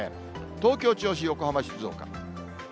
東京、銚子、横浜、静岡。